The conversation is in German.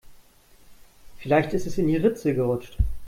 Vielleicht ist es in die Ritze gerutscht.